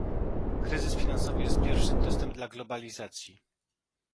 Kryzys finansowy jest pierwszym testem dla globalizacji